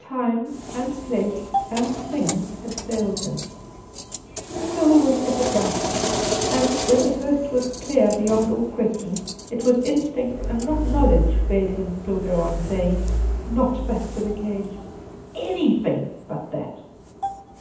Time and place and things had failed him; still was effort right; and, when the first was clear beyond all question, it was instinct and not knowledge bade him still go on, saying: "Not back to the cage. Anything but that!"